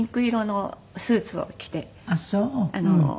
あっそう。